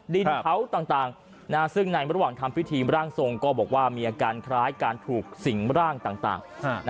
ดินเผาต่างซึ่งในระหว่างทำพิธีร่างทรงก็บอกว่ามีอาการคล้ายการถูกสิ่งร่างต่าง